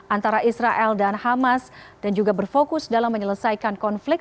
antara israel dan hamas dan juga berfokus dalam menyelesaikan konflik